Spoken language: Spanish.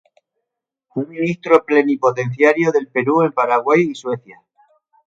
Fue ministro plenipotenciario del Perú en Paraguay y Suecia.